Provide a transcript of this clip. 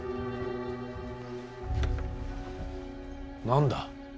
何だ。